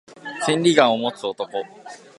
千里眼を持つ男